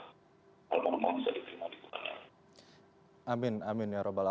kalau mau bisa diterima di rumahnya